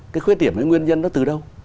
cái khuyết điểm cái nguyên nhân nó từ đâu